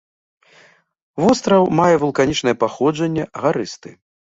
Востраў мае вулканічнае паходжанне, гарысты.